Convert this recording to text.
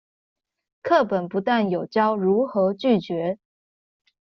課本不但有教如何拒絕